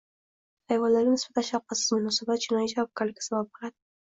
Hayvonlarga nisbatan shafqatsiz munosabat – jinoiy javobgarlikka sabab bo‘ladi ng